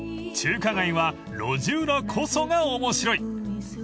［中華街は路地裏こそが面白い！］